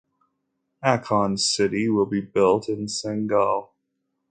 Akon City will be built in Senegal.